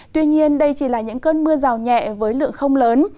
tuy nhiên đây chỉ là những cơn mưa rào nhẹ với lượng không lớn